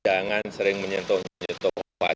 jangan sering menyentuh wajah sebelum cuci tangan